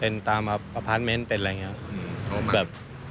เป็นตามมาอพาร์ทเมนต์เป็นอะไรอย่างนี้